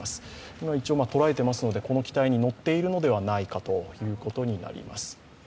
今、捉えているのでこの機体に乗っているのではないかということになります。